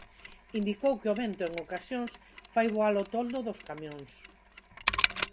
Indicou que o vento, en ocasións, "fai voar o toldo" dos camións.